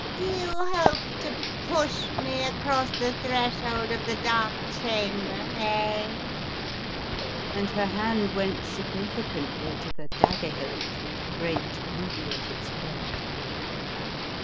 Do you hope to push me across the threshold of the Dark Cham ber, eh?" and her hand went signifi cantly to the dagger hilt with the great ruby at its head.